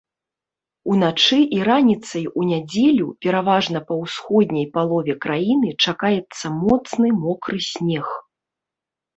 Уначы і раніцай у нядзелю пераважна па ўсходняй палове краіны чакаецца моцны мокры снег.